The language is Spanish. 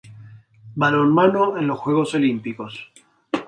Balonmano en los Juegos Olímpicos